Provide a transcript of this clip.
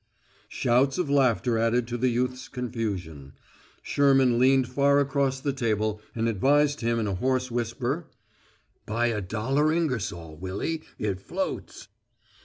Shouts of laughter added to the youth's confusion. Sherman leaned far across the table and advised him in a hoarse whisper: "Buy a dollar Ingersoll, Willy. It floats!"